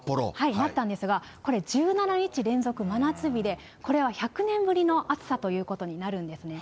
なったんですが、これ、１７日連続真夏日で、これは１００年ぶりの暑さということになるんですね。